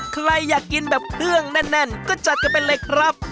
ใครอยากกินแบบเครื่องแน่นก็จัดกันไปเลยครับ